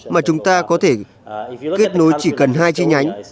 mà chúng ta có thể kết nối chỉ cần hai chi nhánh